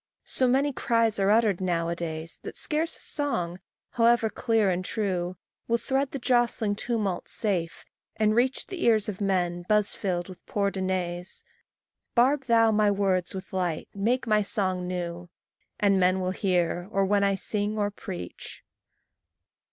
So many cries are uttered now a days, That scarce a song, however clear and true, Will thread the jostling tumult safe, and reach The ears of men buz filled with poor denays: Barb thou my words with light, make my song new, And men will hear, or when I sing or preach.